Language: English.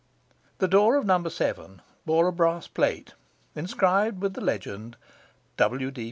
The door of No. 7 bore a brass plate inscribed with the legend 'W. D.